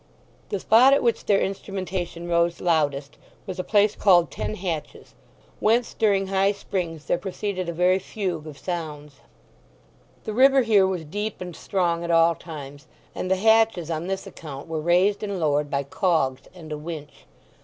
The spot at which their instrumentation rose loudest was a place called Ten Hatches, whence during high springs there proceeded a very fugue of sounds. The river here was deep and strong at all times, and the hatches on this account were raised and lowered by cogs and a winch.